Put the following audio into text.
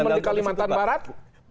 teman di kalimantan barat